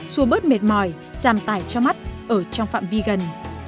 xua bớt mệt mỏi giảm tải cho mắt ở trong phạm vi gần